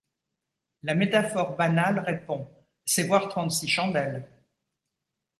La métaphore banale répond: C’est voir trente-six chandelles.